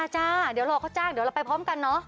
จ้าเดี๋ยวรอเขาจ้างเดี๋ยวเราไปพร้อมกันเนอะ